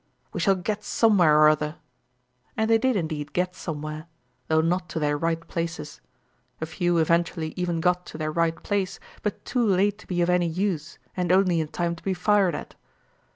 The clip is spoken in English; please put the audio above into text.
"We shall get somewhere or other!" And they did indeed get somewhere, though not to their right places; a few eventually even got to their right place, but too late to be of any use and only in time to be fired at.